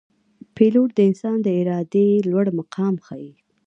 پیلوټ د انسان د ارادې لوړ مقام ښيي.